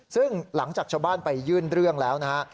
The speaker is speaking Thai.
ซึ่งหลังจากชาวบ้านไปยื่นเรื่องแล้วนะฮะ